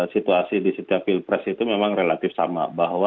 situasi di setiap pilpres itu memang relatif sama bahwa